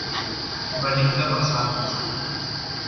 Venim de Massanes.